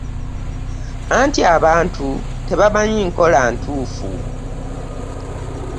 Anti abantu tebamanyi nkola ntuufu.